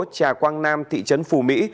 trà quang nam thị trấn phù mỹ